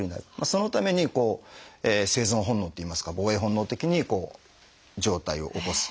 そのために生存本能っていいますか防衛本能的にこう上体を起こす。